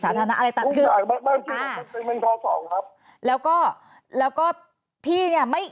สาธารณะอะไรต่างหากบ้างทั้งมือเป็นครั้งครั้งครับแล้วก็แล้วก็พี่เนี่ยไม่